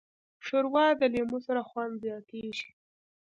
ښوروا د لیمو سره خوند زیاتیږي.